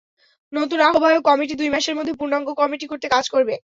নতুন আহ্বায়ক কমিটি দুই মাসের মধ্যে পূর্ণাঙ্গ কমিটি করতে কাজ করবে।